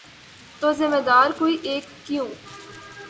تو ذمہ دار کوئی ایک کیوں؟